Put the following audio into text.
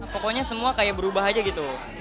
pokoknya semua kayak berubah aja gitu